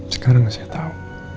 sekarang saya tahu